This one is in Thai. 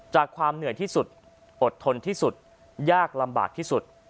ความเหนื่อยที่สุดอดทนที่สุดยากลำบากที่สุด